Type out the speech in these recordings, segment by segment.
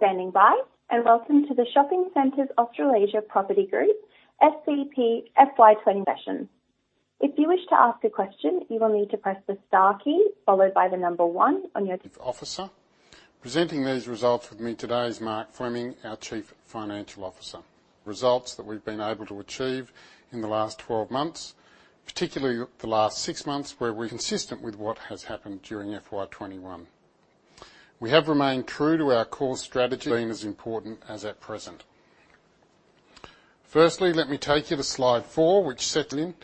Standing by, welcome to the Shopping Centres Australasia Property Group SCP FY 2020 session. Presenting these results with me today is Mark Fleming, our Chief Financial Officer. Results that we've been able to achieve in the last 12 months, particularly the last six months, consistent with what has happened during FY 2021. We have remained true to our core strategy, been as important as at present. Firstly, let me take you to slide four, which set in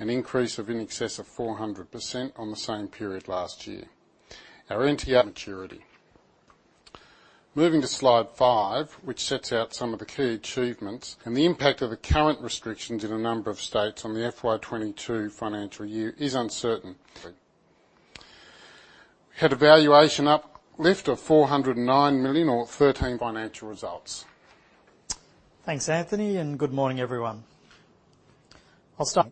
an increase of in excess of 400% on the same period last year. Our NTA. Maturity. Moving to slide five, which sets out some of the key achievements and the impact of the current restrictions in a number of states on the FY 2022 financial year is uncertain. Had a valuation uplift of 409 million or 13, financial results. Thanks, Anthony, good morning, everyone. I'll start.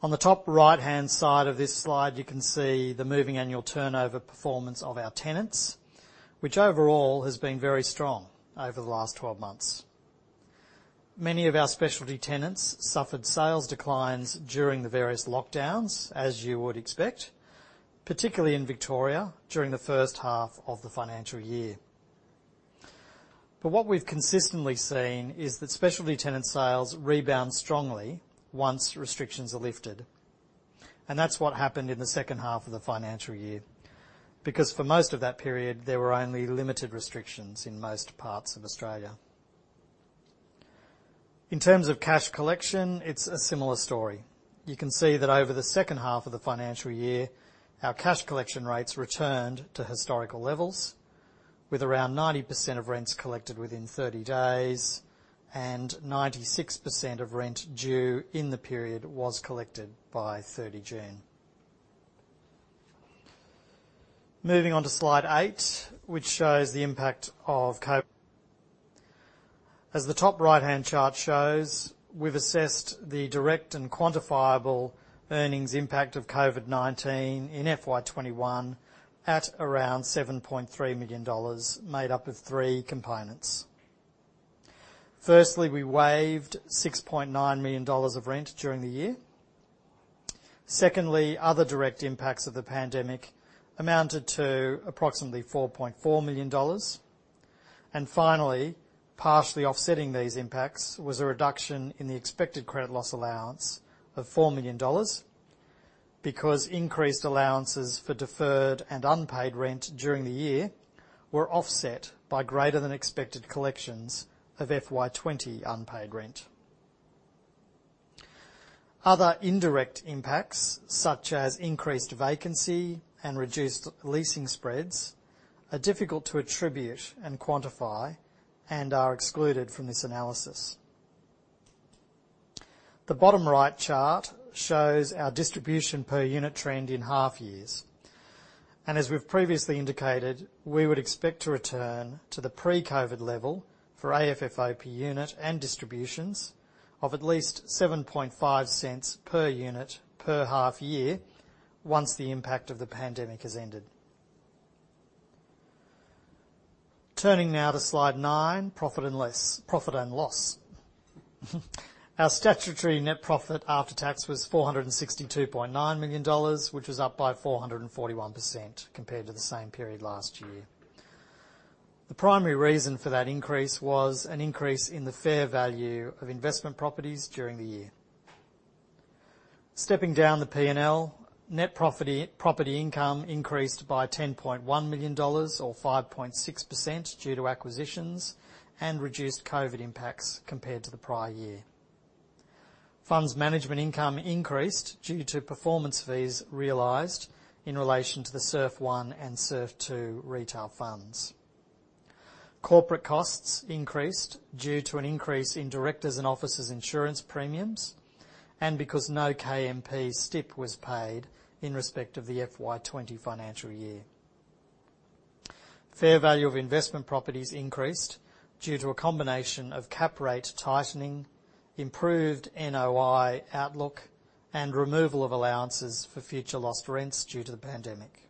On the top right-hand side of this slide, you can see the moving annual turnover performance of our tenants, which overall has been very strong over the last 12 months. Many of our specialty tenants suffered sales declines during the various lockdowns, as you would expect, particularly in Victoria during the first half of the financial year. What we've consistently seen is that specialty tenant sales rebound strongly once restrictions are lifted, and that's what happened in the second half of the financial year, because for most of that period, there were only limited restrictions in most parts of Australia. In terms of cash collection, it's a similar story. You can see that over the second half of the financial year, our cash collection rates returned to historical levels, with around 90% of rents collected within 30 days and 96% of rent due in the period was collected by June 30th. Moving on to slide 8, which shows the impact of COVID-19, as the top right-hand chart shows, we've assessed the direct and quantifiable earnings impact of COVID-19 in FY 2021 at around 7.3 million dollars, made up of three components. Firstly, we waived 6.9 million dollars of rent during the year. Secondly, other direct impacts of the pandemic amounted to approximately 4.4 million dollars. Finally, partially offsetting these impacts was a reduction in the expected credit loss allowance of 4 million dollars because increased allowances for deferred and unpaid rent during the year were offset by greater than expected collections of FY 2020 unpaid rent. Other indirect impacts, such as increased vacancy and reduced leasing spreads, are difficult to attribute and quantify and are excluded from this analysis. The bottom right chart shows our distribution per unit trend in half years. As we've previously indicated, we would expect to return to the pre-COVID level for AFFO per unit and distributions of at least 0.075 per unit per half year once the impact of the pandemic has ended. Turning now to slide 9, profit and loss. Our statutory net profit after tax was 462.9 million dollars, which was up by 441% compared to the same period last year. The primary reason for that increase was an increase in the fair value of investment properties during the year. Stepping down the P&L, net property income increased by 10.1 million dollars or 5.6% due to acquisitions and reduced COVID impacts compared to the prior year. Funds' management income increased due to performance fees realized in relation to the SURF 1 and SURF II retail funds. Corporate costs increased due to an increase in directors' and officers' insurance premiums, and because no KMP STIP was paid in respect of the FY 2020 financial year. Fair value of investment properties increased due to a combination of cap rate tightening, improved NOI outlook, and removal of allowances for future lost rents due to the pandemic.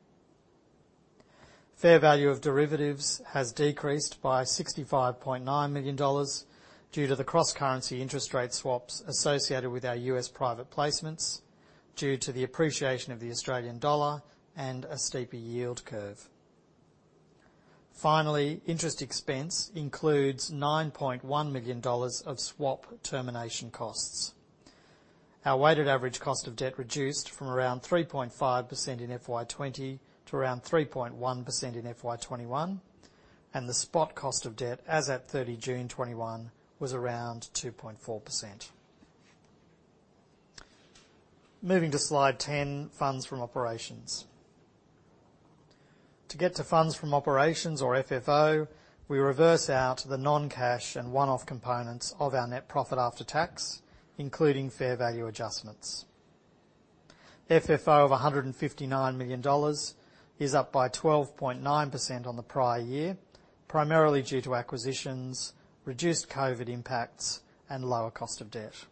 Fair value of derivatives has decreased by 65.9 million dollars due to the cross-currency interest rate swaps associated with our U.S. private placements, due to the appreciation of the Australian dollar and a steeper yield curve. Finally, interest expense includes 9.1 million dollars of swap termination costs. Our weighted average cost of debt reduced from around 3.5% in FY 2020 to around 3.1% in FY 2021, and the spot cost of debt as at June 30th, 2021 was around 2.4%. Moving to slide 10, funds from operations. To get to funds from operations or FFO, we reverse out the non-cash and one-off components of our net profit after tax, including fair value adjustments. FFO of 159 million dollars is up by 12.9% on the prior year, primarily due to acquisitions, reduced COVID impacts, and lower cost of debt.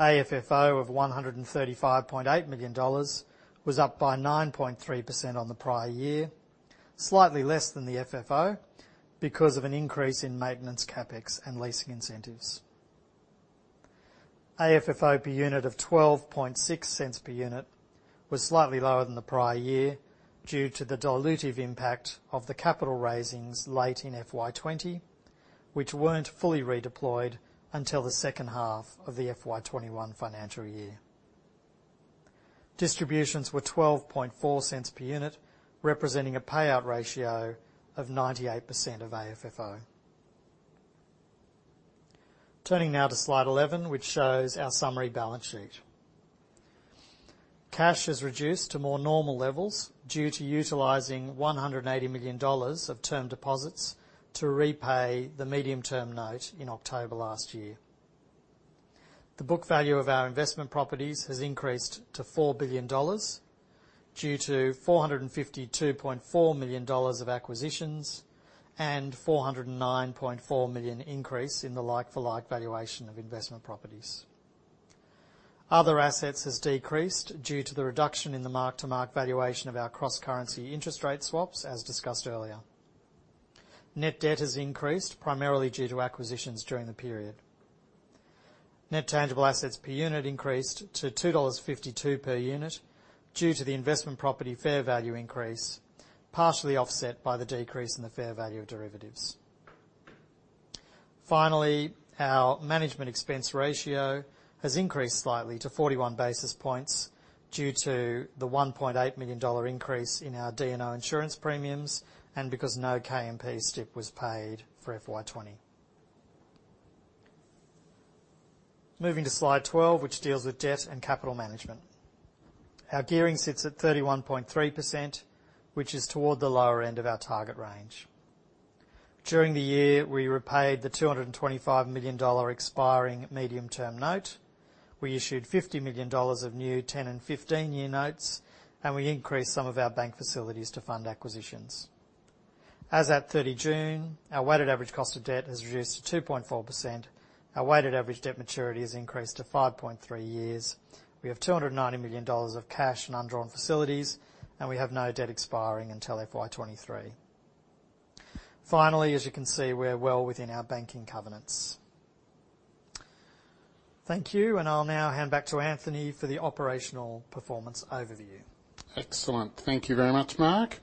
AFFO of 135.8 million dollars was up by 9.3% on the prior year, slightly less than the FFO because of an increase in maintenance CapEx and leasing incentives. AFFO per unit of 0.126 per unit was slightly lower than the prior year due to the dilutive impact of the capital raisings late in FY 2020, which weren't fully redeployed until the second half of the FY 2021 financial year. Distributions were 0.124 per unit, representing a payout ratio of 98% of AFFO. Turning now to slide 11, which shows our summary balance sheet. Cash is reduced to more normal levels due to utilizing 180 million dollars of term deposits to repay the medium-term note in October last year. The book value of our investment properties has increased to 4 billion dollars due to 452.4 million dollars of acquisitions and 409.4 million increase in the like-for-like valuation of investment properties. Other assets has decreased due to the reduction in the mark-to-mark valuation of our cross-currency interest rate swaps, as discussed earlier. Net debt has increased primarily due to acquisitions during the period. Net tangible assets per unit increased to 2.52 dollars per unit due to the investment property fair value increase, partially offset by the decrease in the fair value of derivatives. Finally, our management expense ratio has increased slightly to 41 basis points due to the 1.8 million dollar increase in our D&O insurance premiums and because no KMP STIP was paid for FY 2020. Moving to slide 12, which deals with debt and capital management. Our gearing sits at 31.3%, which is toward the lower end of our target range. During the year, we repaid the 225 million dollar expiring medium-term note. We issued 50 million dollars of new 10 and 15-year notes, and we increased some of our bank facilities to fund acquisitions. As at June 30th, our weighted average cost of debt has reduced to 2.4%. Our weighted average debt maturity has increased to 5.3 years. We have 290 million dollars of cash and undrawn facilities, and we have no debt expiring until FY 2023. Finally, as you can see, we are well within our banking covenants. Thank you, and I'll now hand back to Anthony for the operational performance overview. Excellent. Thank you very much, Mark.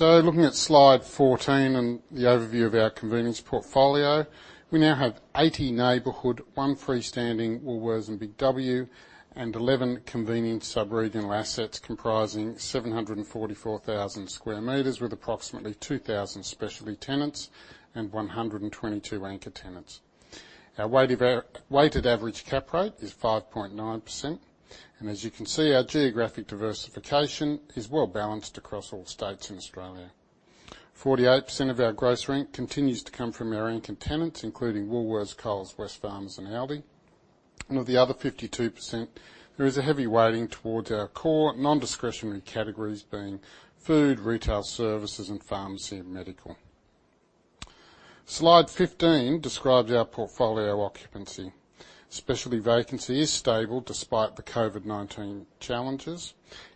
Looking at slide 14 and the overview of our convenience portfolio, we now have 80 neighborhood, 1 freestanding Woolworths and Big W, and 11 convenience sub-regional assets comprising 744,000 sq m with approximately 2,000 specialty tenants and 122 anchor tenants. Our weighted average cap rate is 5.9%, and as you can see, our geographic diversification is well-balanced across all states in Australia. 48% of our gross rent continues to come from our anchor tenants, including Woolworths, Coles, Wesfarmers and Aldi. Of the other 52%, there is a heavy weighting towards our core non-discretionary categories being food, retail services, and pharmacy and medical. Slide 15 describes our portfolio occupancy. Specialty vacancy is stable despite the COVID-19 challenges.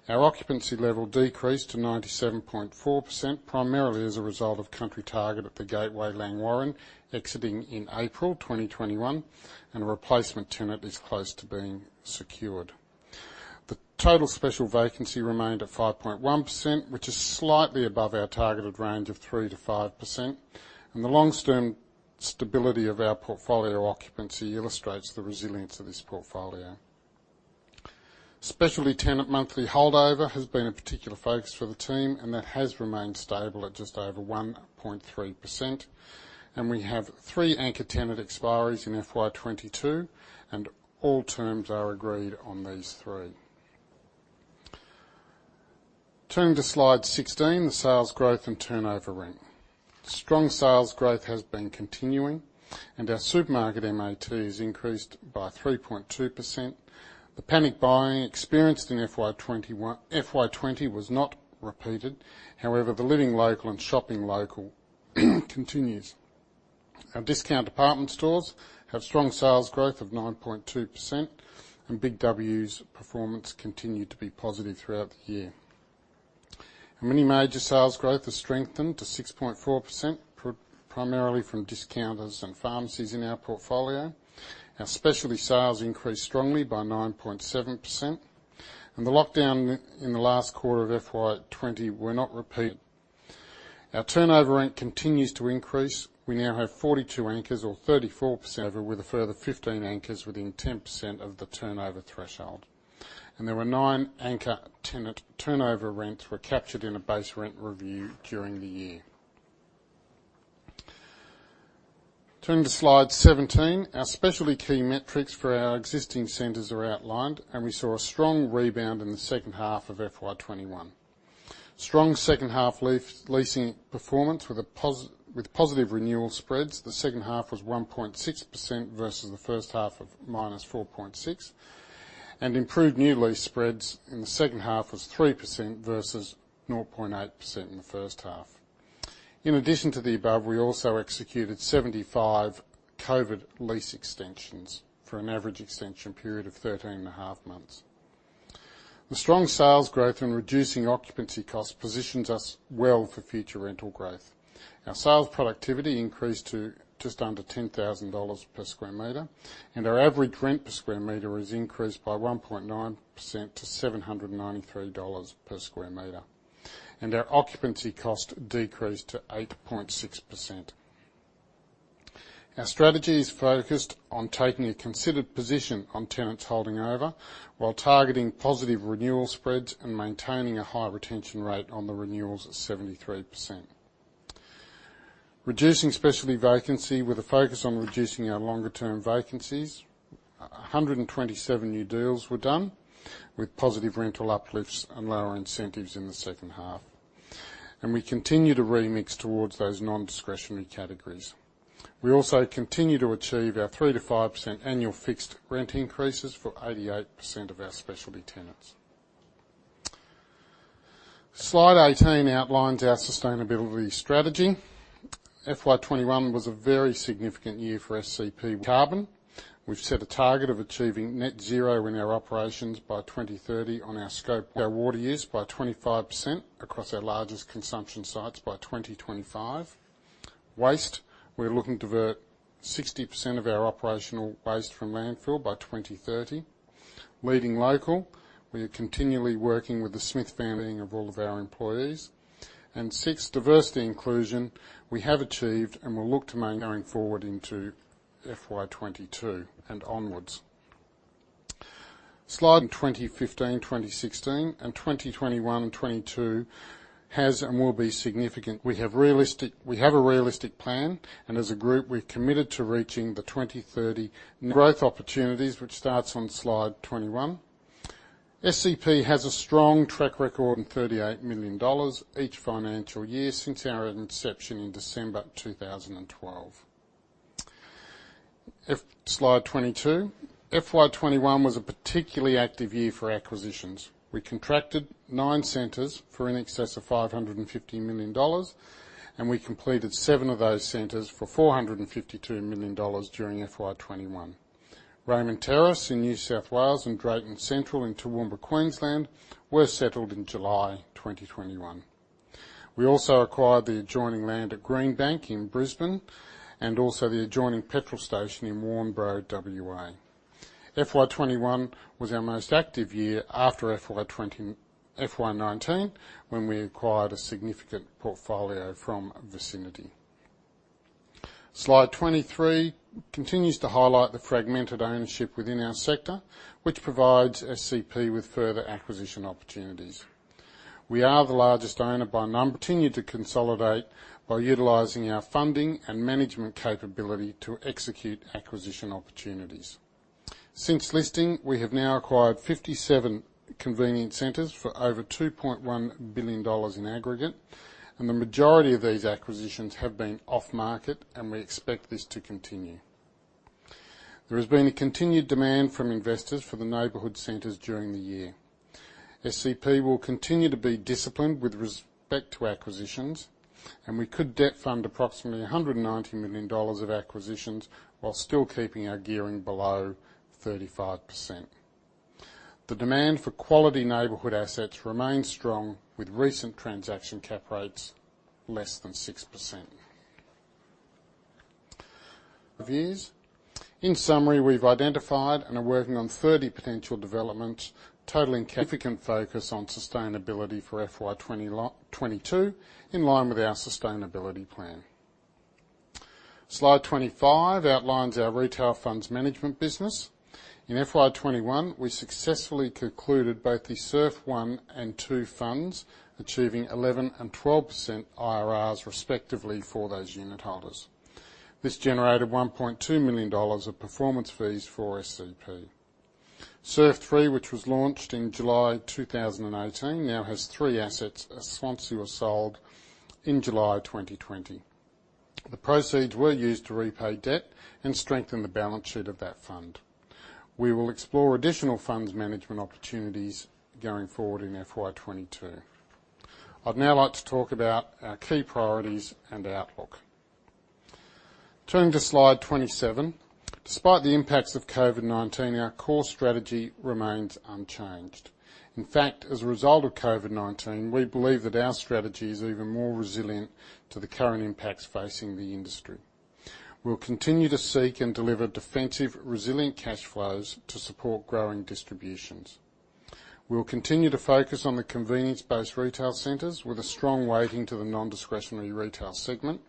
Our occupancy level decreased to 97.4%, primarily as a result of Target Country at the Gateway Langwarrin exiting in April 2021, and a replacement tenant is close to being secured. The total special vacancy remained at 5.1%, which is slightly above our targeted range of 3%-5%, and the long-term stability of our portfolio occupancy illustrates the resilience of this portfolio. Specialty tenant monthly holdover has been a particular focus for the team, and that has remained stable at just over 1.3%. We have three anchor tenant expiries in FY 2022, and all terms are agreed on these three. Turning to slide 16, the sales growth and turnover rent. Strong sales growth has been continuing, and our supermarket MAT has increased by 3.2%. The panic buying experienced in FY 2020 was not repeated. However, the living local and shopping local continues. Our discount department stores have strong sales growth of 9.2%. Big W's performance continued to be positive throughout the year. Our mini major sales growth has strengthened to 6.4%, primarily from discounters and pharmacies in our portfolio. Our specialty sales increased strongly by 9.7%. The lockdown in the last quarter of FY 2020 were not repeated. Our turnover rent continues to increase. We now have 42 anchors or 34% over, with a further 15 anchors within 10% of the turnover threshold. There were nine anchor tenant turnover rents were captured in a base rent review during the year. Turning to slide 17, our specialty key metrics for our existing centers are outlined, and we saw a strong rebound in the second half of FY 2021. Strong second half leasing performance with positive renewal spreads. The second half was 1.6% versus the first half of -4.6. Improved new lease spreads in the second half was 3% versus 0.8% in the first half. In addition to the above, we also executed 75 COVID lease extensions for an average extension period of 13 and a half months. The strong sales growth and reducing occupancy costs positions us well for future rental growth. Our sales productivity increased to just under 10,000 dollars per square meter, and our average rent per square meter has increased by 1.9% to 793 dollars per square meter. Our occupancy cost decreased to 8.6%. Our strategy is focused on taking a considered position on tenants holding over, while targeting positive renewal spreads and maintaining a high retention rate on the renewals at 73%. Reducing specialty vacancy with a focus on reducing our longer term vacancies, 127 new deals were done with positive rental uplifts and lower incentives in the second half. We continue to remix towards those non-discretionary categories. We also continue to achieve our 3% to 5% annual fixed rent increases for 88% of our specialty tenants. Slide 18 outlines our sustainability strategy. FY 2021 was a very significant year for Region Group carbon. We've set a target of achieving net zero in our operations by 2030 on our scope, our water use by 25% across our largest consumption sites by 2025. Waste, we're looking to divert 60% of our operational waste from landfill by 2030. Leading local, we are continually working with The Smith Family of all of our employees. Sixth, diversity inclusion, we have achieved and will look to maintain going forward into FY 2022 and onwards. Slide In 2015, 2016, and 2021 and 2022 has and will be significant. We have a realistic plan, and as a group, we've committed to reaching the 2030 growth opportunities, which starts on Slide 21. SCP has a strong track record in 38 million dollars each financial year since our inception in December 2012. Slide 22. FY 2021 was a particularly active year for acquisitions. We contracted nine centers for in excess of 550 million dollars, and we completed seven of those centers for 452 million dollars during FY 2021. Raymond Terrace in New South Wales and Drayton Central in Toowoomba, Queensland were settled in July 2021. We also acquired the adjoining land at Greenbank in Brisbane, and also the adjoining petrol station in Warnbro, W.A. FY 2021 was our most active year after FY 2019, when we acquired a significant portfolio from Vicinity. Slide 23 continues to highlight the fragmented ownership within our sector, which provides SCP with further acquisition opportunities. We are the largest owner by number, continue to consolidate by utilizing our funding and management capability to execute acquisition opportunities. Since listing, we have now acquired 57 convenience centers for over 2.1 billion dollars in aggregate, and the majority of these acquisitions have been off-market, and we expect this to continue. There has been a continued demand from investors for the neighborhood centers during the year. SCP will continue to be disciplined with respect to acquisitions, and we could debt fund approximately 190 million dollars of acquisitions while still keeping our gearing below 35%. The demand for quality neighborhood assets remains strong with recent transaction cap rates less than 6%. Views. In summary, we've identified and are working on 30 potential developments totaling Significant focus on sustainability for FY 2022, in line with our sustainability plan. Slide 25 outlines our retail funds management business. In FY 2021, we successfully concluded both the SURF I and SURF II funds, achieving 11% and 12% IRRs respectively for those unit holders. This generated 1.2 million dollars of performance fees for SCP. SURF III, which was launched in July 2018, now has three assets as Swansea was sold in July 2020. The proceeds were used to repay debt and strengthen the balance sheet of that fund. We will explore additional funds management opportunities going forward in FY 2022. I'd now like to talk about our key priorities and outlook. Turning to slide 27. Despite the impacts of COVID-19, our core strategy remains unchanged. In fact, as a result of COVID-19, we believe that our strategy is even more resilient to the current impacts facing the industry. We'll continue to seek and deliver defensive, resilient cash flows to support growing distributions. We'll continue to focus on the convenience-based retail centers with a strong weighting to the non-discretionary retail segment.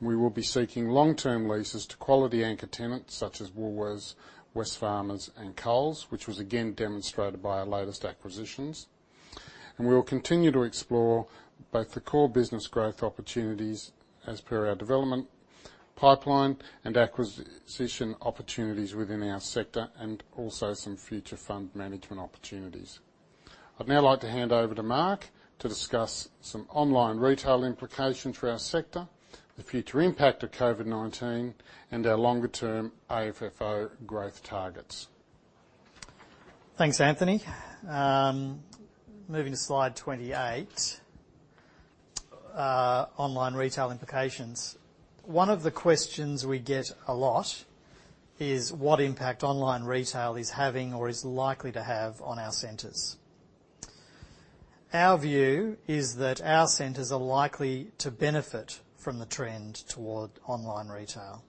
We will be seeking long-term leases to quality anchor tenants such as Woolworths, Wesfarmers and Coles, which was again demonstrated by our latest acquisitions. We will continue to explore both the core business growth opportunities as per our development pipeline and acquisition opportunities within our sector and also some future fund management opportunities. I'd now like to hand over to Mark to discuss some online retail implications for our sector, the future impact of COVID-19, and our longer-term AFFO growth targets. Thanks, Anthony. Moving to slide 28, online retail implications. One of the questions we get a lot is what impact online retail is having or is likely to have on our centers. Our view is that our centers are likely to benefit from the trend toward online retail.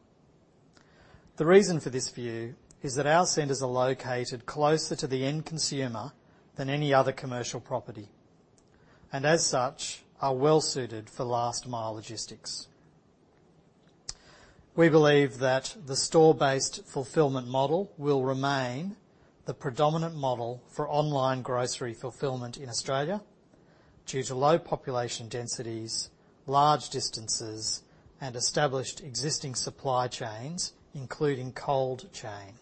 The reason for this view is that our centers are located closer to the end consumer than any other commercial property, and as such, are well-suited for last-mile logistics. We believe that the store-based fulfillment model will remain the predominant model for online grocery fulfillment in Australia due to low population densities, large distances, and established existing supply chains, including cold chain.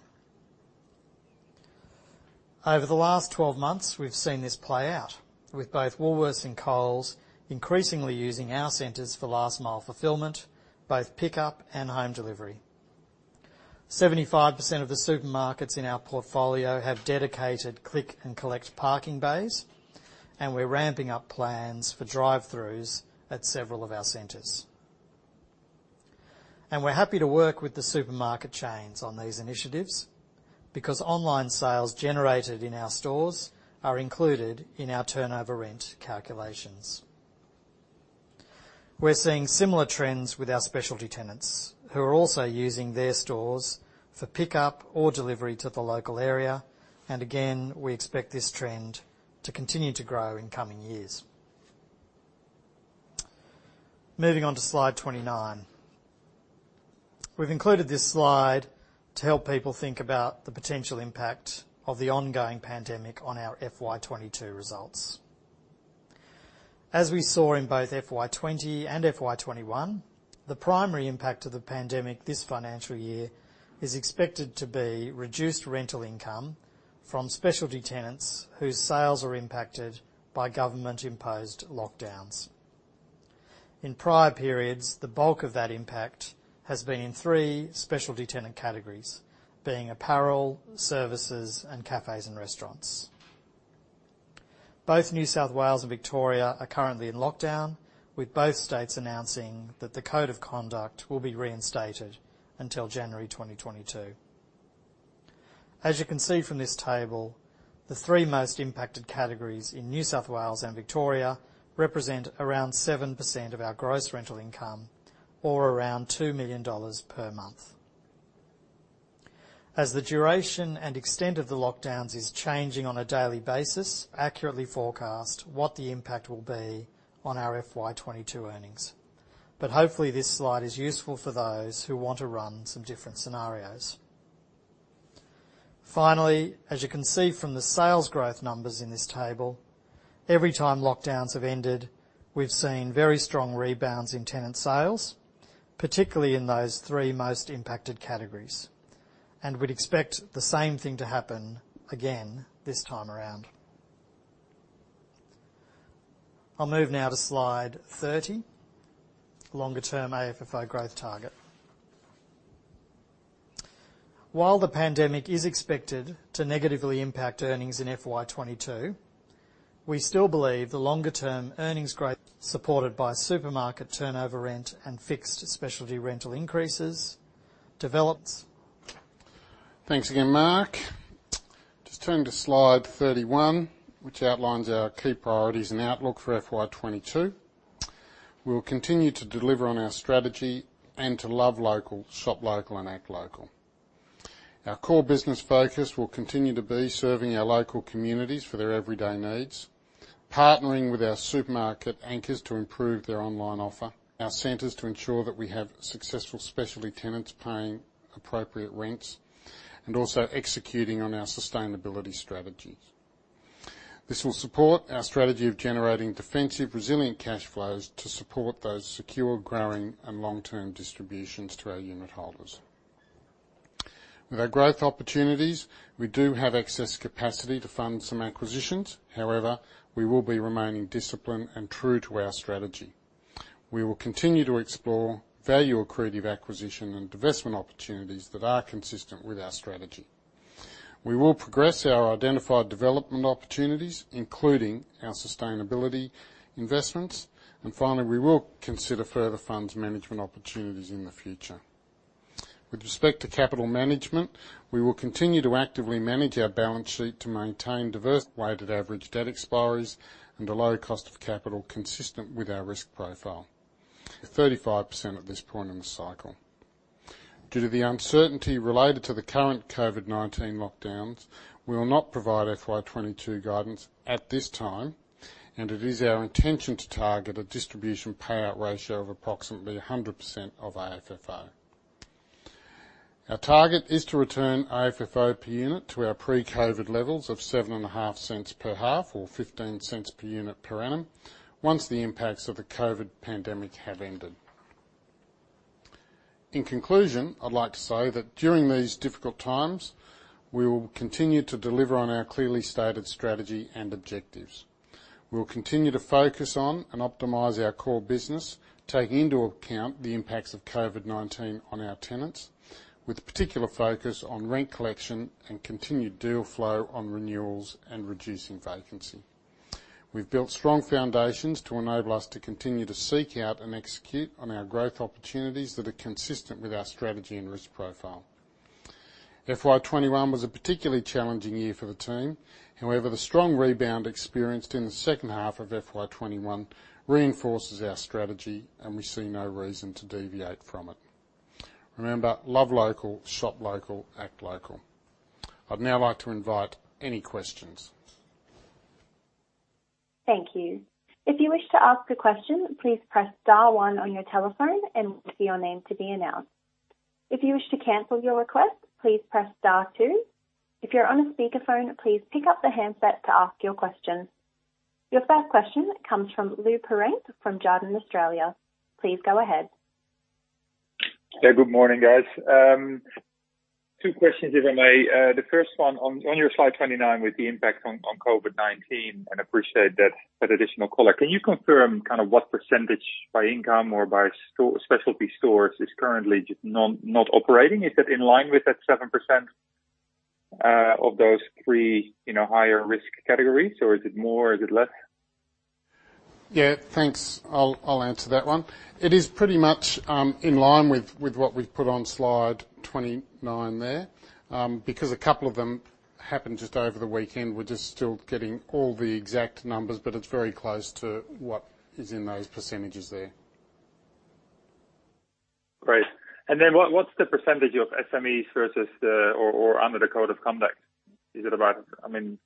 Over the last 12 months, we've seen this play out with both Woolworths and Coles increasingly using our centers for last-mile fulfillment, both pickup and home delivery. 75% of the supermarkets in our portfolio have dedicated click and collect parking bays, and we're ramping up plans for drive-throughs at several of our centers. We're happy to work with the supermarket chains on these initiatives because online sales generated in our stores are included in our turnover rent calculations. We're seeing similar trends with our specialty tenants who are also using their stores for pickup or delivery to the local area. Again, we expect this trend to continue to grow in coming years. Moving on to slide 29. We've included this slide to help people think about the potential impact of the ongoing pandemic on our FY 2022 results. As we saw in both FY 2020 and FY 2021, the primary impact of the pandemic this financial year is expected to be reduced rental income from specialty tenants whose sales are impacted by government-imposed lockdowns. In prior periods, the bulk of that impact has been in three specialty tenant categories, being apparel, services, and cafes and restaurants. Both New South Wales and Victoria are currently in lockdown, with both states announcing that the code of conduct will be reinstated until January 2022. As you can see from this table, the three most impacted categories in New South Wales and Victoria represent around 7% of our gross rental income or around 2 million dollars per month. As the duration and extent of the lockdowns is changing on a daily basis, accurately forecast what the impact will be on our FY 2022 earnings. Hopefully, this slide is useful for those who want to run some different scenarios. Finally, as you can see from the sales growth numbers in this table, every time lockdowns have ended, we've seen very strong rebounds in tenant sales, particularly in those three most impacted categories. We'd expect the same thing to happen again this time around. I'll move now to slide 30, longer-term AFFO growth target. While the pandemic is expected to negatively impact earnings in FY 2022, we still believe the longer-term earnings growth supported by supermarket turnover rent and fixed specialty rental increases. Thanks again, Mark. Turning to slide 31, which outlines our key priorities and outlook for FY 2022. We'll continue to deliver on our strategy to love local, shop local and act local. Our core business focus will continue to be serving our local communities for their everyday needs, partnering with our supermarket anchors to improve their online offer, our centers to ensure that we have successful specialty tenants paying appropriate rents, and also executing on our sustainability strategies. This will support our strategy of generating defensive, resilient cash flows to support those secure, growing, and long-term distributions to our unit holders. With our growth opportunities, we do have excess capacity to fund some acquisitions. However, we will be remaining disciplined and true to our strategy. We will continue to explore value-accretive acquisition and divestment opportunities that are consistent with our strategy. We will progress our identified development opportunities, including our sustainability investments. Finally, we will consider further funds management opportunities in the future. With respect to capital management, we will continue to actively manage our balance sheet to maintain diverse weighted average debt expiries and a low cost of capital consistent with our risk profile, 35% at this point in the cycle. Due to the uncertainty related to the current COVID-19 lockdowns, we will not provide FY 2022 guidance at this time, and it is our intention to target a distribution payout ratio of approximately 100% of AFFO. Our target is to return AFFO per unit to our pre-COVID levels of 0.075 per half or 0.15 per unit per annum once the impacts of the COVID pandemic have ended. In conclusion, I'd like to say that during these difficult times, we will continue to deliver on our clearly stated strategy and objectives. We'll continue to focus on and optimize our core business, taking into account the impacts of COVID-19 on our tenants, with a particular focus on rent collection and continued deal flow on renewals and reducing vacancy. We've built strong foundations to enable us to continue to seek out and execute on our growth opportunities that are consistent with our strategy and risk profile. FY 2021 was a particularly challenging year for the team. However, the strong rebound experienced in the second half of FY 2021 reinforces our strategy, and we see no reason to deviate from it. Remember, love local, shop local, act local. I'd now like to invite any questions. Your first question comes from Lou Pirenc from Jarden Australia. Please go ahead. Yeah. Good morning, guys. Two questions, if I may. The first one on your slide 29 with the impact on COVID-19. Appreciate that additional color. Can you confirm kind of what % by income or by specialty stores is currently just not operating? Is it in line with that 7% of those three higher-risk categories, or is it more, or is it less? Yeah, thanks. I'll answer that one. It is pretty much in line with what we've put on slide 29 there. A couple of them happened just over the weekend, we're just still getting all the exact numbers, but it's very close to what is in those percentages there. Great. What's the % of SMEs or under the Code of Conduct? Are the majority of those SMEs?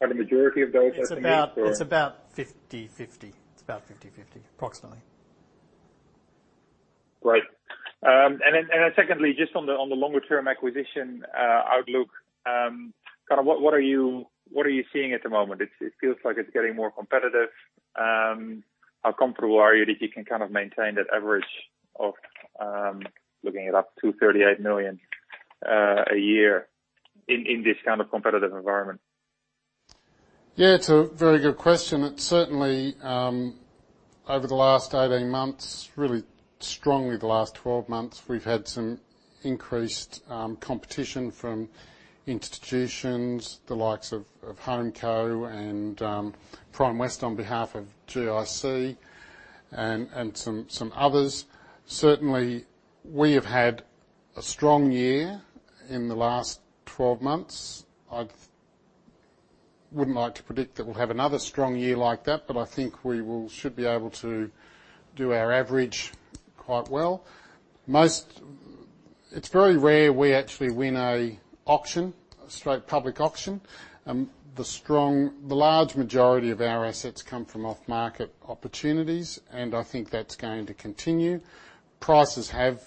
It's about 50/50. It's about 50/50, approximately. Great. Secondly, just on the longer-term acquisition outlook, what are you seeing at the moment? It feels like it's getting more competitive. How comfortable are you that you can kind of maintain that average of looking at up to 38 million a year in this kind of competitive environment? Yeah, it's a very good question. It's certainly, over the last 18 months, really strongly the last 12 months, we've had some increased competition from institutions, the likes of HomeCo and Primewest on behalf of GIC, and some others. We have had a strong year in the last 12 months. I wouldn't like to predict that we'll have another strong year like that, I think we should be able to do our average quite well. It's very rare we actually win a auction, a straight public auction. The large majority of our assets come from off-market opportunities, I think that's going to continue. Prices have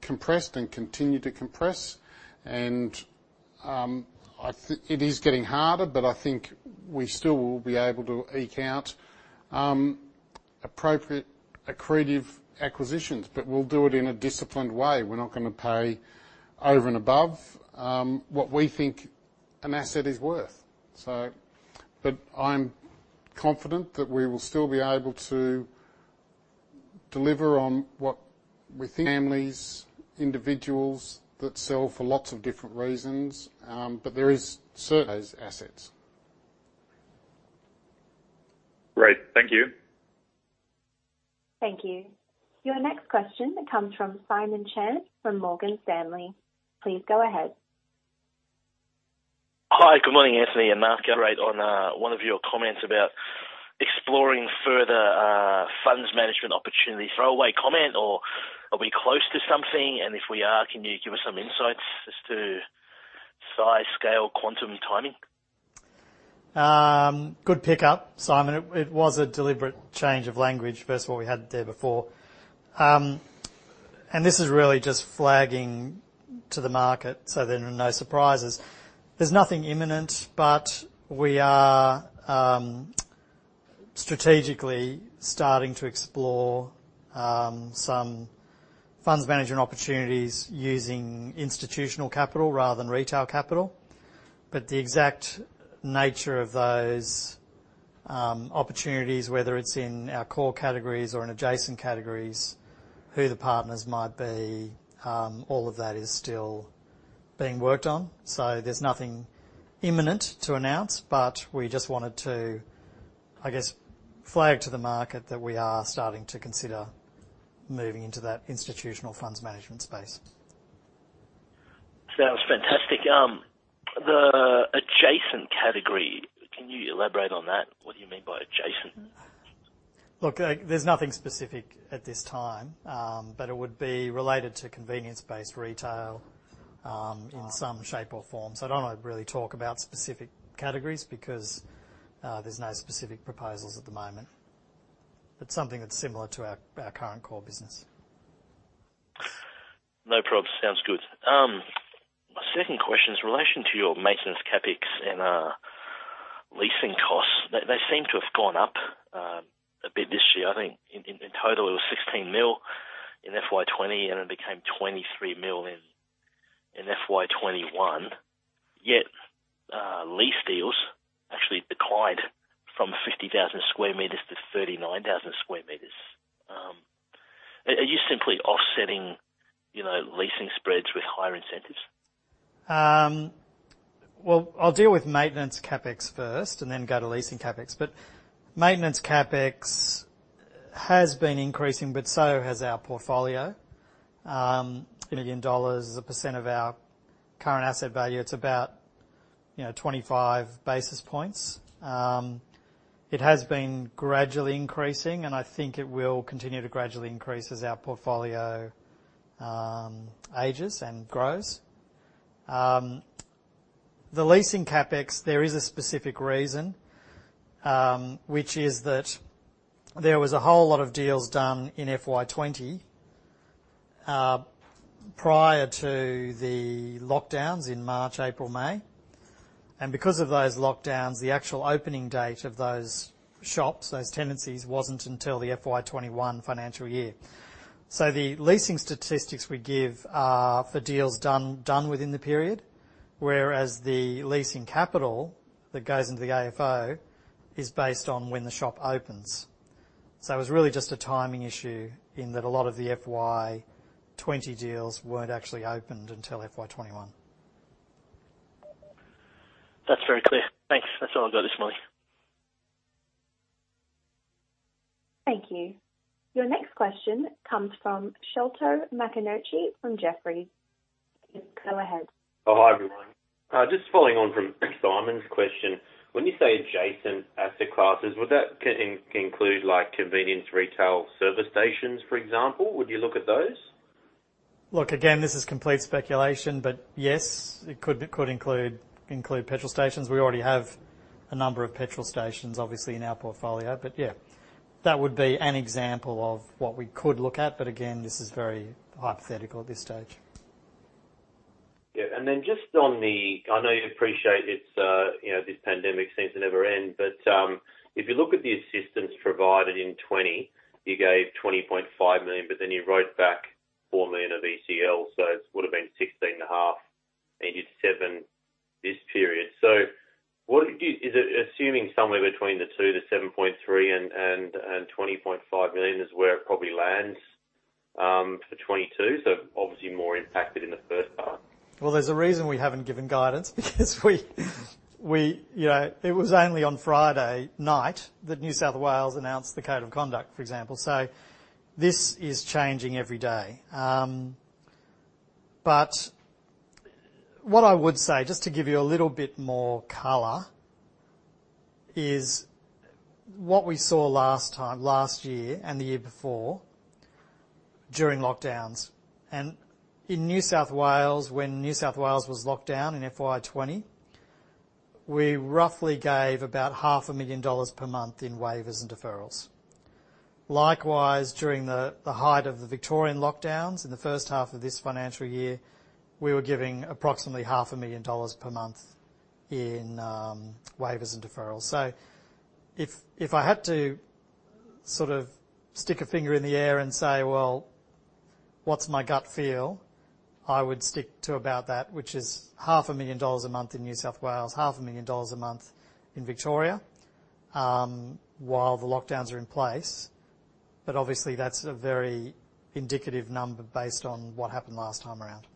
compressed and continue to compress. It is getting harder, I think we still will be able to eke out appropriate accretive acquisitions. We'll do it in a disciplined way. We're not going to pay over and above what we think an asset is worth. I'm confident that we will still be able to deliver on what we think families, individuals, that sell for lots of different reasons. There is certain those assets. Great. Thank you. Thank you. Your next question comes from Simon Chan from Morgan Stanley. Please go ahead. Hi, good morning, Anthony and Mark. Elaborate on one of your comments about exploring further funds management opportunities. Throwaway comment, or are we close to something? If we are, can you give us some insights as to size, scale, quantum, and timing? Good pick-up, Simon. It was a deliberate change of language, first of all, we had there before. This is really just flagging to the market so there are no surprises. There's nothing imminent, but we are strategically starting to explore some funds management opportunities using institutional capital rather than retail capital. The exact nature of those opportunities, whether it's in our core categories or in adjacent categories, who the partners might be, all of that is still being worked on. There's nothing imminent to announce, but we just wanted to, I guess, flag to the market that we are starting to consider moving into that institutional funds management space. Sounds fantastic. The adjacent category, can you elaborate on that? What do you mean by adjacent? Look, there's nothing specific at this time. It would be related to convenience-based retail in some shape or form. I don't want to really talk about specific categories because there's no specific proposals at the moment. Something that's similar to our current core business. No probs. Sounds good. My second question is in relation to your maintenance CapEx and leasing costs, they seem to have gone up a bit this year. I think in total it was 16 million in FY 2020, and it became 23 million in FY 2021. Lease deals actually declined from 50,000 sq m to 39,000 sq m. Are you simply offsetting leasing spreads with higher incentives? I'll deal with maintenance CapEx first and then go to leasing CapEx. Maintenance CapEx has been increasing, but so has our portfolio. It's 1 billion dollars. As a percent of our current asset value, it's about 25 basis points. It has been gradually increasing, and I think it will continue to gradually increase as our portfolio ages and grows. The leasing CapEx, there is a specific reason, which is that there was a whole lot of deals done in FY 2020 prior to the lockdowns in March, April, May. Because of those lockdowns, the actual opening date of those shops, those tenancies, wasn't until the FY 2021 financial year. The leasing statistics we give are for deals done within the period, whereas the leasing capital that goes into the AFFO is based on when the shop opens. It was really just a timing issue in that a lot of the FY 2020 deals weren't actually opened until FY 2021. That's very clear. Thanks. That's all I've got this morning. Thank you. Your next question comes from Sholto Maconochie from Jefferies. Go ahead. Hi, everyone. Following on from Simon's question. When you say adjacent asset classes, would that include convenience retail service stations, for example? Would you look at those? Look, again, this is complete speculation, but yes, it could include petrol stations. We already have a number of petrol stations obviously in our portfolio. Yeah, that would be an example of what we could look at. Again, this is very hypothetical at this stage. Yeah. I know you appreciate this pandemic seems to never end, but, if you look at the assistance provided in 2020, you gave 20.5 million, but then you wrote back 4 million of ECLs, so it would've been 16.5 million, and you did 7 million this period. Is it assuming somewhere between 2 million-7.3 million and 20.5 million is where it probably lands for 2022? Obviously more impacted in the first part. There's a reason we haven't given guidance, because it was only on Friday night that New South Wales announced the Code of Conduct, for example. This is changing every day. What I would say, just to give you a little bit more color, is what we saw last year and the year before during lockdowns. In New South Wales, when New South Wales was locked down in FY 2020, we roughly gave about 500,000 dollars per month in waivers and deferrals. Likewise, during the height of the Victorian lockdowns in the first half of this financial year, we were giving approximately 500,000 dollars per month in waivers and deferrals. If I had to stick a finger in the air and say, "Well, what's my gut feel?" I would stick to about that, which is half a million dollars a month in New South Wales, half a million dollars a month in Victoria, while the lockdowns are in place. Obviously that's a very indicative number based on what happened last time around.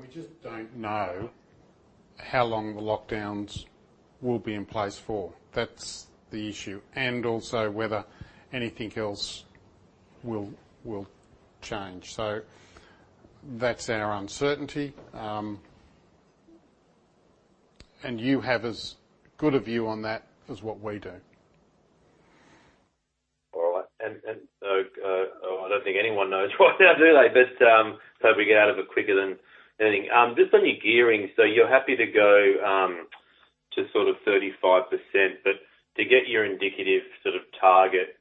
We just don't know how long the lockdowns will be in place for. That's the issue. Also whether anything else will change. That's our uncertainty, and you have as good a view on that as what we do. All right. I don't think anyone knows right now, do they? Hope we get out of it quicker than anything. Just on your gearing, you're happy to go to 35%, but to get your indicative target,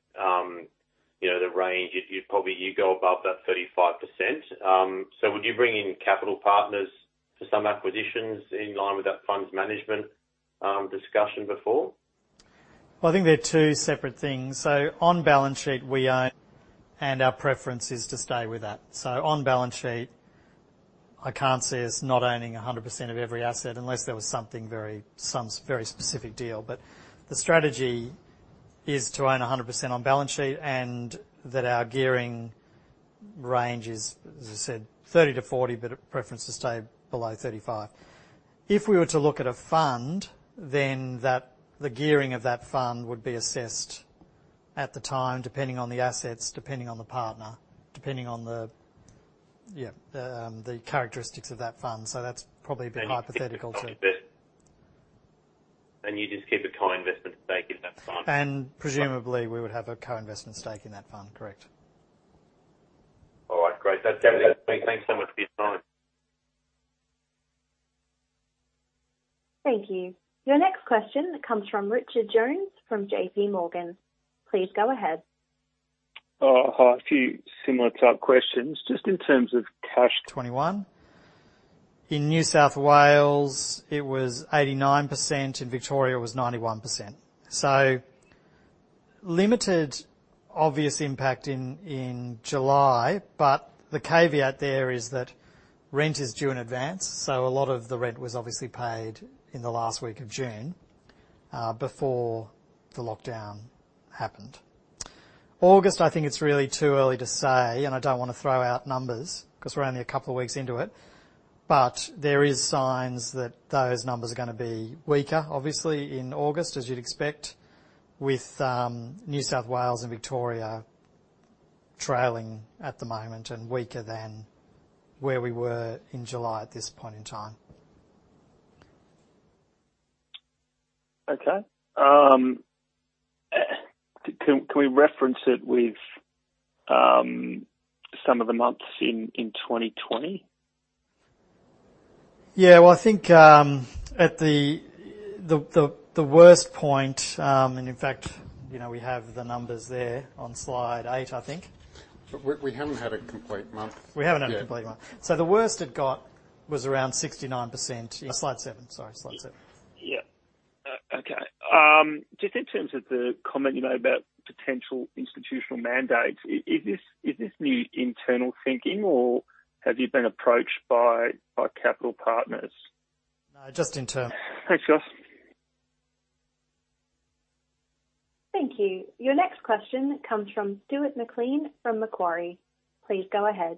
the range, you'd probably go above that 35%. Would you bring in capital partners for some acquisitions in line with that funds management discussion before? I think they're two separate things. On balance sheet, we own, and our preference is to stay with that. On balance sheet, I can't see us not owning 100% of every asset unless there was some very specific deal. The strategy is to own 100% on balance sheet and that our gearing range is, as I said, 30%-40%, but a preference to stay below 35%. If we were to look at a fund, the gearing of that fund would be assessed at the time, depending on the assets, depending on the partner, depending on the characteristics of that fund. That's probably a bit hypothetical, too. You'd just keep a co-investment stake in that fund. Presumably, we would have a co-investment stake in that fund, correct? All right, great. That's everything. Thanks so much for your time. Thank you. Your next question comes from Richard Jones from JP Morgan. Please go ahead. I have a few similar type questions. Just in terms of cash- In New South Wales, it was 89%, in Victoria it was 91%. Limited obvious impact in July, but the caveat there is that rent is due in advance. A lot of the rent was obviously paid in the last week of June, before the lockdown happened. August, I think it is really too early to say, and I do not want to throw out numbers because we are only a couple of weeks into it. There is signs that those numbers are going to be weaker, obviously, in August, as you would expect with New South Wales and Victoria trailing at the moment and weaker than where we were in July at this point in time. Okay. Can we reference it with some of the months in 2020? Yeah, well, I think, at the worst point, and in fact, we have the numbers there on slide 8, I think. We haven't had a complete month. We haven't had a complete month. Yeah. The worst it got was around 69%. slide 7. Sorry, slide 7. Yeah. Okay. Just in terms of the comment about potential institutional mandates, is this the internal thinking, or have you been approached by capital partners? No, just internal. Thanks, Josh. Thank you. Your next question comes from Stuart McLean from Macquarie. Please go ahead.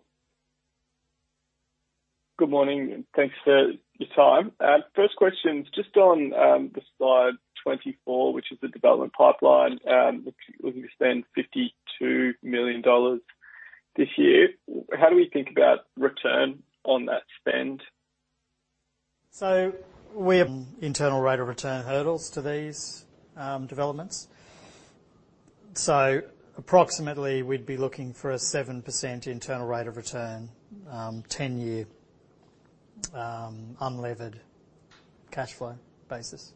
Good morning, thanks for your time. First question is just on the slide 24, which is the development pipeline. Looking to spend 52 million dollars this year. How do we think about return on that spend? We have Internal Rate of Return hurdles to these developments. Approximately we'd be looking for a 7% Internal Rate of Return, 10-year, unlevered cash flow basis.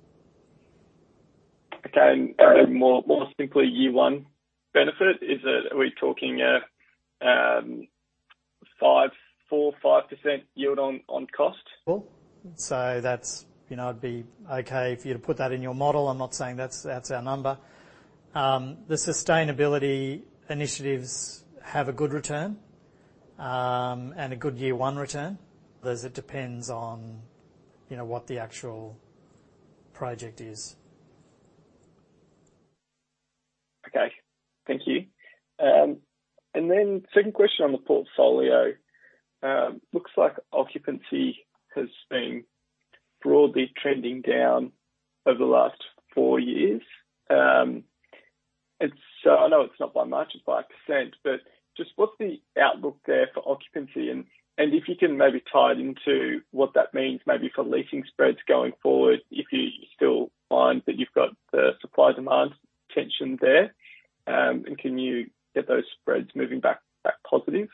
Okay. Maybe more simply, year one benefit, are we talking a 4%-5% yield on cost? Well, it'd be okay for you to put that in your model. I'm not saying that's our number. The sustainability initiatives have a good return, and a good year 1 return. It depends on what the actual project is. Okay. Thank you. Then second question on the portfolio. Looks like occupancy has been broadly trending down over the last 4 years. I know it's not by much, it's by 1%, but just what's the outlook there for occupancy? If you can maybe tie it into what that means maybe for leasing spreads going forward, if you still find that you've got the supply-demand tension there. Can you get those spreads moving back positive?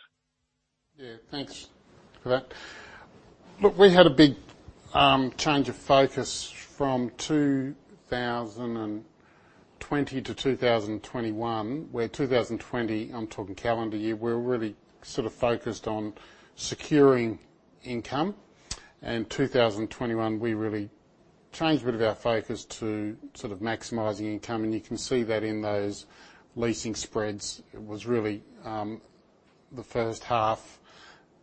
Yeah. Thanks for that. Look, we had a big change of focus from 2020 to 2021, where 2020, I'm talking calendar year, we were really focused on securing income. 2021, we really changed a bit of our focus to maximizing income, and you can see that in those leasing spreads, it was really the first half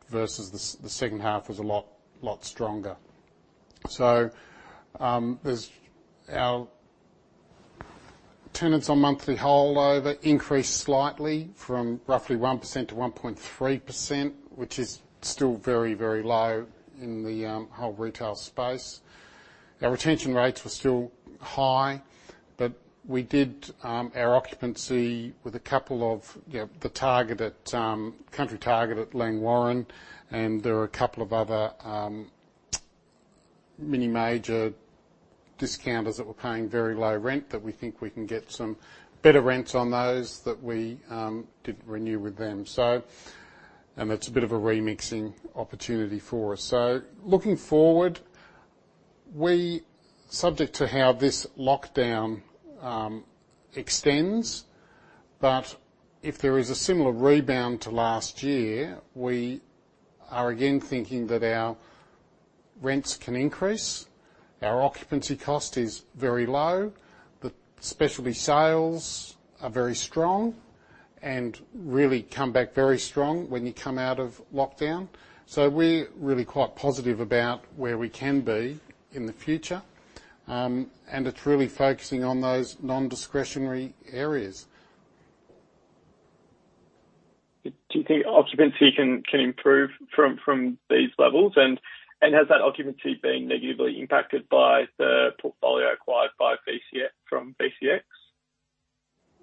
versus the second half was a lot stronger. As our tenants on monthly holdover increased slightly from roughly 1% to 1.3%, which is still very low in the whole retail space. Our retention rates were still high, but we did our occupancy with a couple of the Target at, Target Country at Langwarrin, and there are a couple of other mini major discounters that were paying very low rent that we think we can get some better rents on those that we didn't renew with them. And that's a bit of a remixing opportunity for us. Looking forward, subject to how this lockdown extends, but if there is a similar rebound to last year, we are again thinking that our rents can increase. Our occupancy cost is very low. The specialty sales are very strong and really come back very strong when you come out of lockdown. We're really quite positive about where we can be in the future. It's really focusing on those non-discretionary areas. Do you think occupancy can improve from these levels? Has that occupancy been negatively impacted by the portfolio acquired by VCX, from VCX?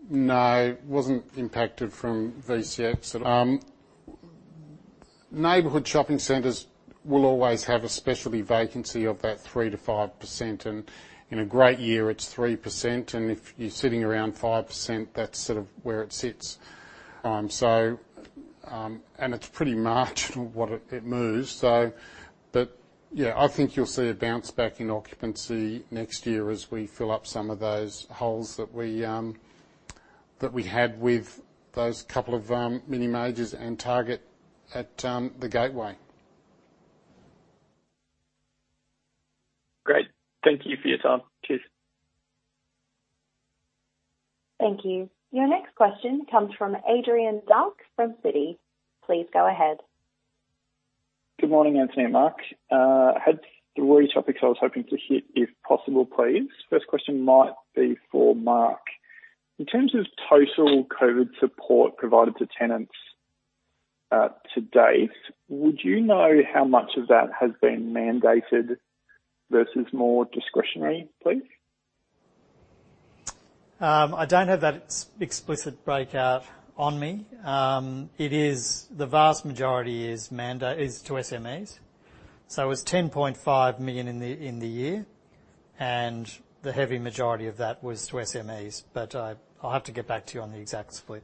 No, wasn't impacted from VCX at all. Neighborhood shopping centers will always have a specialty vacancy of about 3%-5%, and in a great year it's 3%, and if you're sitting around 5%, that's sort of where it sits. It's pretty marginal what it moves. Yeah, I think you'll see a bounce back in occupancy next year as we fill up some of those holes that we had with those couple of mini majors and Target at the gateway. Great. Thank you for your time. Cheers. Thank you. Your next question comes from Adrian Dark from Citi. Please go ahead. Good morning, Anthony and Mark. I had three topics I was hoping to hit, if possible, please. First question might be for Mark. In terms of total COVID support provided to tenants to date, would you know how much of that has been mandated versus more discretionary, please? I don't have that explicit breakout on me. The vast majority is to SMEs. It was 10.5 million in the year, and the heavy majority of that was to SMEs, but I'll have to get back to you on the exact split,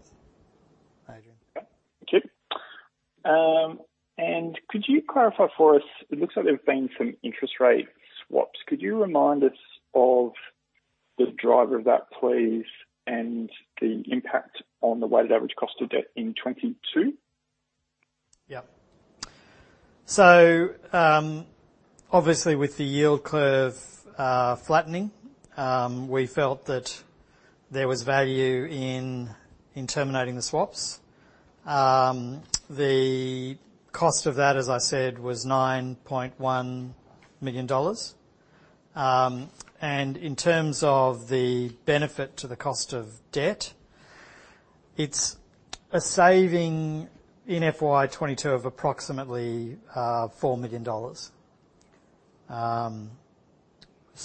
Adrian. Okay. Thank you. Could you clarify for us, it looks like there have been some interest rate swaps. Could you remind us of the driver of that, please, and the impact on the weighted average cost of debt in 2022? Yeah. Obviously, with the yield curve flattening, we felt that there was value in terminating the swaps. The cost of that, as I said, was 9.1 million dollars. In terms of the benefit to the cost of debt, it's a saving in FY 2022 of approximately 4 million dollars.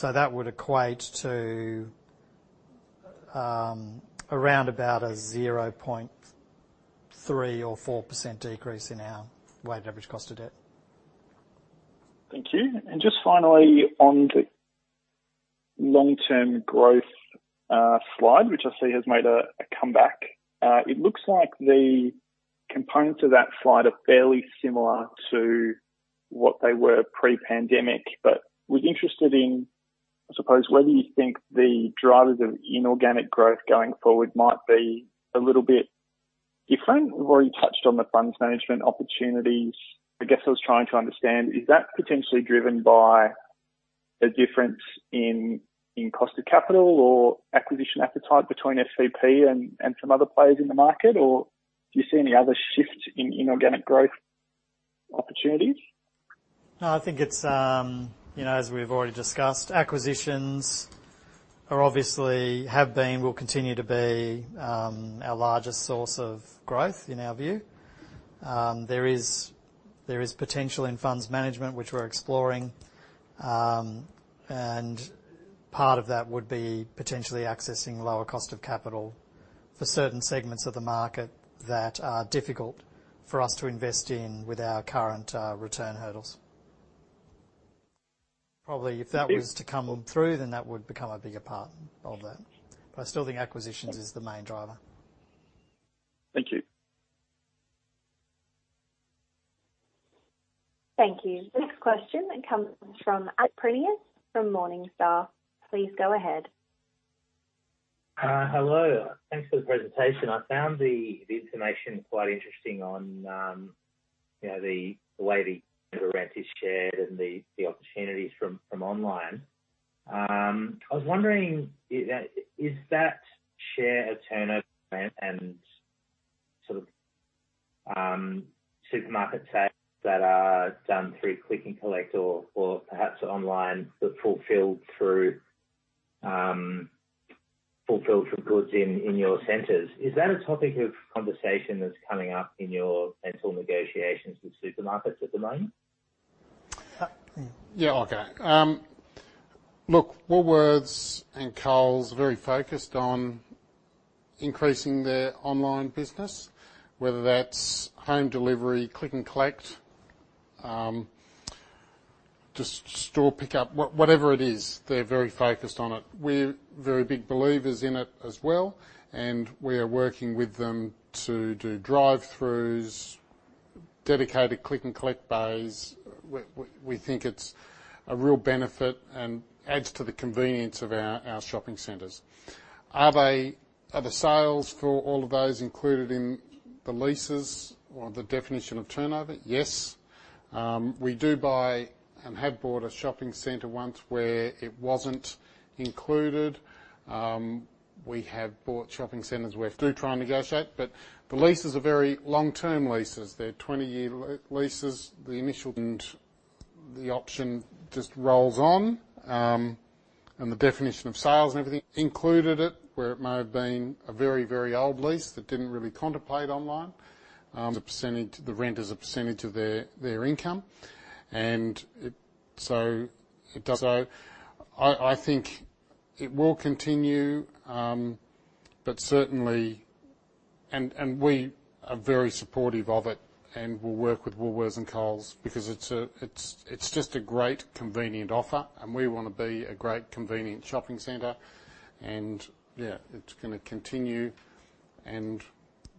That would equate to around about a 0.3% or 0.4% decrease in our weighted average cost of debt. Thank you. Just finally, on the long-term growth slide, which I see has made a comeback. It looks like the components of that slide are fairly similar to what they were pre-pandemic. Was interested in, I suppose, whether you think the drivers of inorganic growth going forward might be a little bit different. We've already touched on the funds management opportunities. I guess I was trying to understand, is that potentially driven by a difference in cost of capital or acquisition appetite between SCP and some other players in the market? Do you see any other shift in inorganic growth opportunities? I think it's, as we've already discussed, acquisitions obviously have been, will continue to be our largest source of growth, in our view. There is potential in funds management, which we're exploring. Part of that would be potentially accessing lower cost of capital for certain segments of the market that are difficult for us to invest in with our current return hurdles. Probably, if that was to come through, then that would become a bigger part of that. I still think acquisitions is the main driver. Thank you. Thank you. This question comes from Adrian from Morningstar. Please go ahead. Hello. Thanks for the presentation. I found the information quite interesting on the way the rent is shared and the opportunities from online. I was wondering, is that share of turnover and sort of, supermarket sales that are done through click and collect or perhaps online, but fulfilled through goods in your centers, is that a topic of conversation that's coming up in your rental negotiations with supermarkets at the moment? Yeah, okay. Look, Woolworths and Coles are very focused on increasing their online business, whether that's home delivery, click and collect, just store pickup, whatever it is, they're very focused on it. We're very big believers in it as well, and we are working with them to do drive-throughs, dedicated click and collect bays. We think it's a real benefit and adds to the convenience of our shopping centers. Are the sales for all of those included in the leases or the definition of turnover? Yes. We do buy and have bought a shopping center once where it wasn't included. We have bought shopping centers where we do try and negotiate, but the leases are very long-term leases. They're 20-year leases. The initial and the option just rolls on. The definition of sales and everything included it, where it may have been a very, very old lease that didn't really contemplate online. The rent as a % of their income. I think it will continue. We are very supportive of it, and we'll work with Woolworths and Coles because it's just a great, convenient offer, and we want to be a great, convenient shopping center. Yeah, it's going to continue, and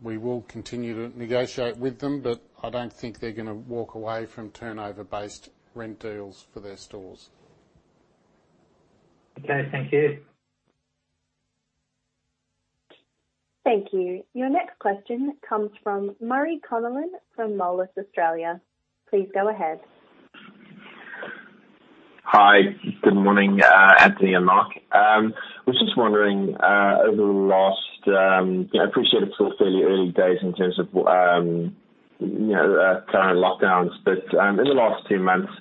we will continue to negotiate with them, but I don't think they're going to walk away from turnover-based rent deals for their stores. Okay, thank you. Thank you. Your next question comes from Murray Connellan from Moelis Australia. Please go ahead. Hi. Good morning, Anthony and Mark. I was just wondering, over the last, I appreciate it's all fairly early days in terms of current lockdowns, but in the last 2 months,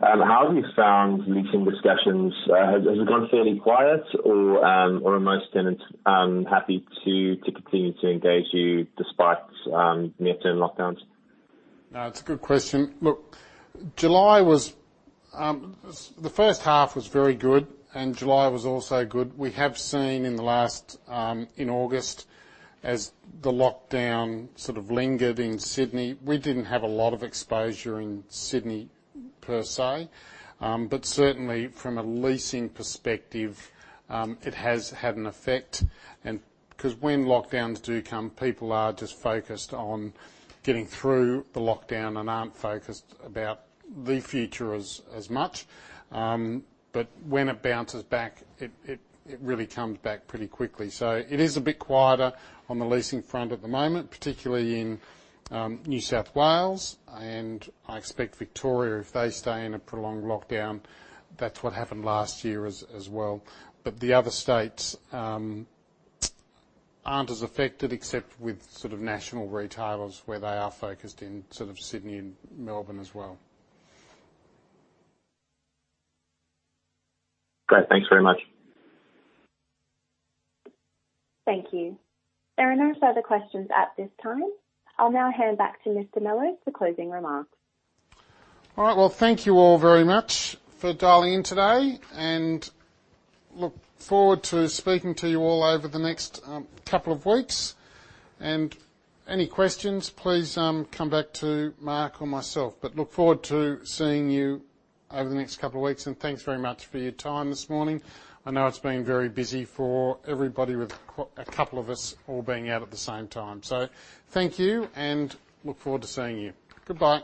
how have you found leasing discussions? Has it gone fairly quiet or are most tenants happy to continue to engage you despite near-term lockdowns? No, it's a good question. Look, the first half was very good, and July was also good. We have seen in August, as the lockdown sort of lingered in Sydney, we didn't have a lot of exposure in Sydney per se. Certainly from a leasing perspective, it has had an effect and because when lockdowns do come, people are just focused on getting through the lockdown and aren't focused about the future as much. When it bounces back, it really comes back pretty quickly. It is a bit quieter on the leasing front at the moment, particularly in New South Wales, and I expect Victoria, if they stay in a prolonged lockdown. That's what happened last year as well. The other states aren't as affected except with sort of national retailers where they are focused in sort of Sydney and Melbourne as well. Great. Thanks very much. Thank you. There are no further questions at this time. I'll now hand back to Mr. Mellowes for closing remarks. All right. Well, thank you all very much for dialing in today and look forward to speaking to you all over the next couple of weeks. Any questions, please come back to Mark or myself. Look forward to seeing you over the next couple of weeks, and thanks very much for your time this morning. I know it's been very busy for everybody with a couple of us all being out at the same time. Thank you, and look forward to seeing you. Goodbye.